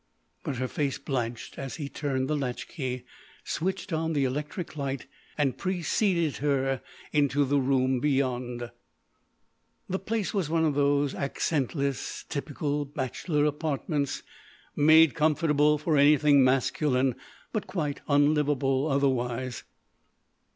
But her face blanched as he turned the latch key, switched on the electric light, and preceded her into the room beyond. The place was one of those accentless, typical bachelor apartments made comfortable for anything masculine, but quite unlivable otherwise.